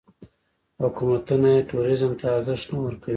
حکومتونه یې ټوریزم ته ارزښت نه ورکوي.